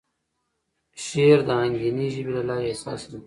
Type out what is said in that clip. شعر د آهنګینې ژبې له لارې احساس انتقالوي.